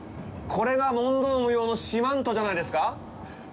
これが問答無用の四万十じゃないですか！？